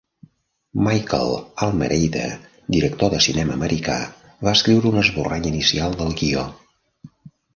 Michael Almereyda, director de cinema americà, va escriure un esborrany inicial del guió.